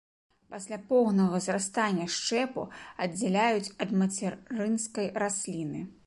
Пасля поўнага зрастання шчэпу аддзяляюць ад мацярынскай расліны.